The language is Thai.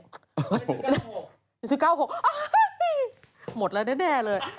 นี่สีเก้า๖นี่สีเก้า๖โอ้โฮหมดแล้วแน่เลย